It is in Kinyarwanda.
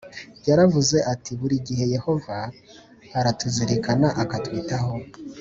yaravuze ati buri gihe yehova aratuzirikana akatwitaho